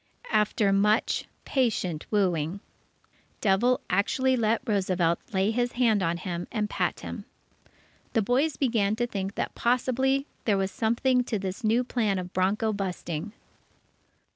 After much patient wooing, Devil actually let Roosevelt lay his hand on him and pat him. The boys began to think that possibly there was something in this new plan of bronco busting.